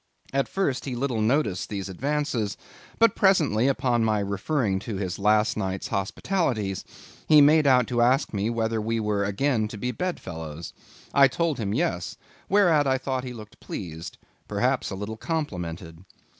At first he little noticed these advances; but presently, upon my referring to his last night's hospitalities, he made out to ask me whether we were again to be bedfellows. I told him yes; whereat I thought he looked pleased, perhaps a little complimented.